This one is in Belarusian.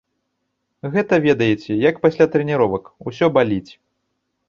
Гэта, ведаеце, як пасля трэніровак, усё баліць.